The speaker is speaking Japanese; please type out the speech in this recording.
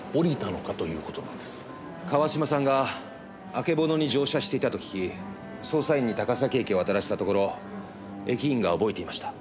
川島さんがあけぼのに乗車していたと聞き捜査員に高崎駅を当たらせたところ駅員が覚えていました。